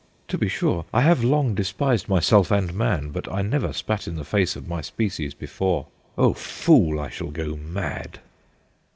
" To be sure, I have long despised myself and man, but I never spat in the face of my species before " O fool ! I shall go mad